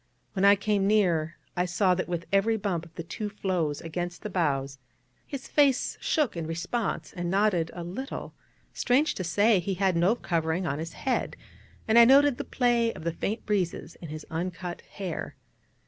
When I came quite near, I saw that with every bump of the two floes against the bows, his face shook in response, and nodded a little; strange to say, he had no covering on his head, and I noted the play of the faint breezes in his uncut hair.